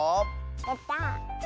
やった。